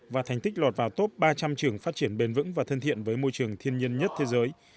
và thành tích lọt vào top ba trăm linh trường phát triển bền vững và thân thiện với môi trường thiên nhiên nhất thế giới